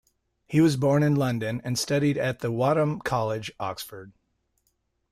He was born in London and studied at the Wadham College, Oxford.